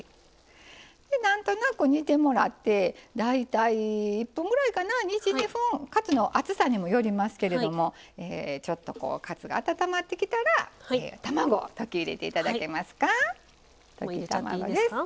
なんとなく煮てもらって大体１分ぐらいかな、１２分カツの厚さにもよりますけれどちょっとカツが温まってきたら卵を溶き入れていただけますか。